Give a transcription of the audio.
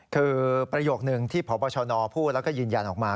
คือประโยคนึงที่พบชนพูดแล้วก็ยืนยันออกมา